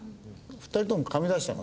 ２人ともかみだしたの。